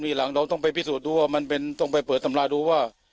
หลังเราต้องไปพิสูจน์ดูว่ามันเป็นต้องไปเปิดตำราดูว่า